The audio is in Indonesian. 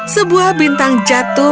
sebuah bintang jatuh